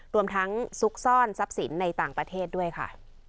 รวมทั้งซุกซ่อนทรัพย์สินในต่างประเทศด้วยค่ะ